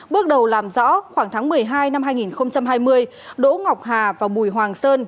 bước đầu làm rõ khoảng tháng một mươi hai năm hai nghìn hai mươi đỗ ngọc hà và bùi hoàng sơn